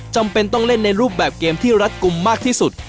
จำเป็นต้องเล่นในรูปแบบเกมที่รัดกลุ่มมากที่สุด